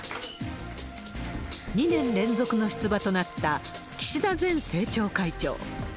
２年連続の出馬となった、岸田前政調会長。